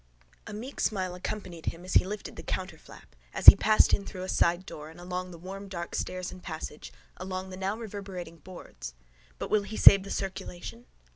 A meek smile accompanied him as he lifted the counterflap, as he passed in through a sidedoor and along the warm dark stairs and passage, along the now reverberating boards. But will he save the circulation?